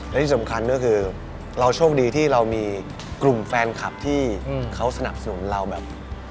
และที่สำคัญก็คือเราโชคดีที่เรามีกลุ่มแฟนคลับที่เขาสนับสนุนเราแบบ